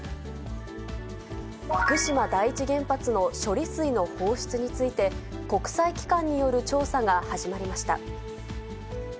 福島第一原発の処理水の放出について、国際機関による調査が始まりました。